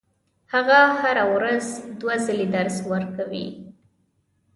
هغه هره ورځ دوه ځلې درس ورکوي.